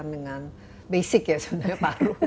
dan bisa kita gunakan